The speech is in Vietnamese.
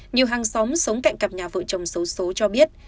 nhiều hàng xóm sống cạnh cặp nhà vợ chồng xấu số cho biết